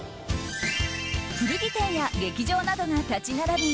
古着店や劇場などが立ち並び